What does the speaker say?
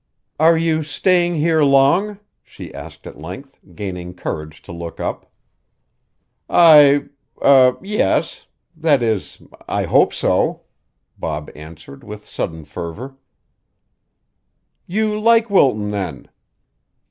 "Are you staying here long?" she asked at length, gaining courage to look up. "I eh yes; that is I hope so," Bob answered with sudden fervor. "You like Wilton then."